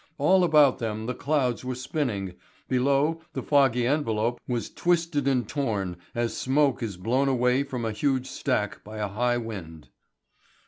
All about them the clouds were spinning, below the foggy envelope was twisted and torn as smoke is blown away from a huge stack by a high wind.